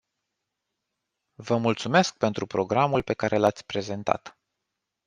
Vă mulțumesc pentru programul pe care l-ați prezentat.